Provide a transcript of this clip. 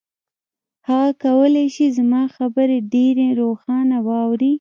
هغه کولای شي زما خبرې ډېرې روښانه واوري.